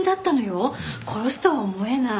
殺すとは思えない。